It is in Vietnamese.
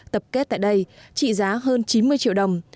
tập kết tại đây trị giá hơn chín mươi triệu đồng